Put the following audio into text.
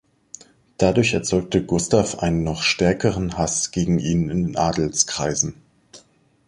Dadurch erzeugte Gustav einen noch stärkeren Hass gegen ihn in Adelskreisen.